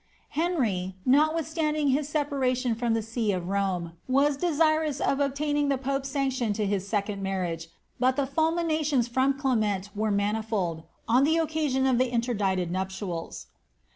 Henry, notwithstanding his separation from the see of Rome, was desirous of obtaining the pope's sanction to his second marriage,' but the fulminations from Clement were manifold, on the occasion of the inter dicted nuptials.